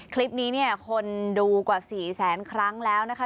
คลิปนี้เนี่ยคนดูกว่า๔แสนครั้งแล้วนะคะ